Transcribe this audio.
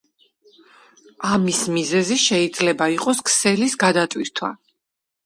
ამის მიზეზი შეიძლება იყოს ქსელის გადატვირთვა.